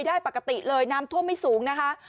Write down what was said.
ได้ปกติเลยน้ำท่วมไม่สูงนะคะ